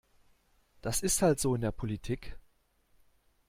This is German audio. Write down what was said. Das ist halt so in der Politik.